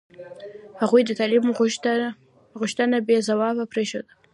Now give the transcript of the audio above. هغوی د تعلیم غوښتنه بې ځوابه پرېښوده.